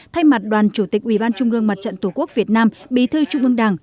thay mặt đoàn chủ tịch ủy ban trung ương mặt trận tổ quốc việt nam bí thư trung ương đảng